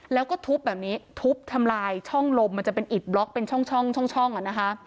แล้วก็ทุบแบบนี้ทุบทำลายช่องลมมันจะเป็นอิดบล็อกเป็นช่องอ่ะนะคะ